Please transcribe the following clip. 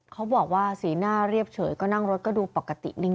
เขาบอกว่าสีหน้าเรียบเฉยก็นั่งรถก็ดูปกตินิ่ง